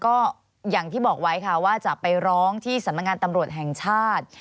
ก็อย่างที่บอกไว้ค่ะว่าจะไปร้องที่สำนักงานตำรวจแห่งชาติ